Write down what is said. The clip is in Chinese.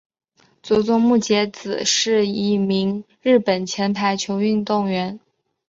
佐佐木节子是一名日本前排球运动员。